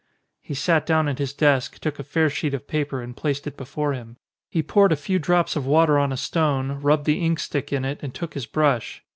He sat down at his desk, took a fair sheet of paper, and placed it before him. He poured a few drops of water on a stone, rubbed the ink stick in it, and took his brush.